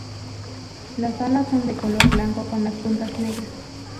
Las alas son de color blanco con las puntas negras.